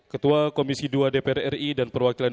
ketua komisi dua dpr ri dan perwakilan